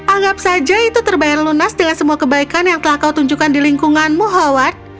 anggap saja itu terbayar lunas dengan semua kebaikan yang telah kau tunjukkan di lingkunganmu hawad